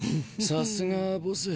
さすがはボス。